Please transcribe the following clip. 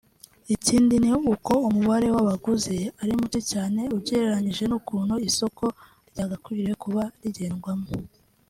Ikindi ni uko umubare w’abaguzi ari muke cyane ugereranyije n’ukuntu isoko ryagakwiriye kuba rigendwamo